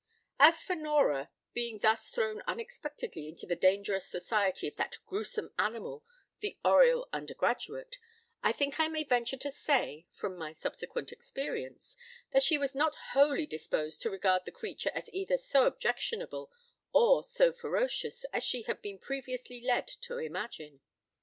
p> As for Nora, being thus thrown unexpectedly into the dangerous society of that gruesome animal, the Oriel undergraduate, I think I may venture to say (from my subsequent experience) that she was not wholly disposed to regard the creature as either so objectionable or so ferocious as shehad been previously led to imagine.